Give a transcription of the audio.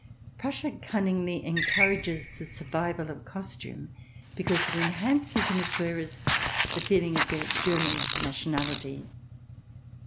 Prussia cunningly encourages the survival of costume, because it enhances in its wearers the feeling of their German nationality.